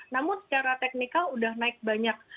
namun secara teknikal sudah naik banyak